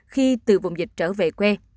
khi từ vùng dịch trở về quê